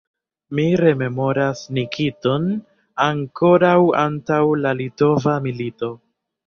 Mi rememoras Nikiton ankoraŭ antaŭ la litova milito.